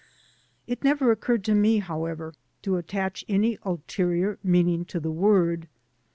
It never occurred to me, however, to attach any ulterior meaning to the word.